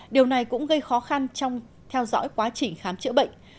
điều này cũng gây khó khăn trong theo dõi quá trình khám chữa bệnh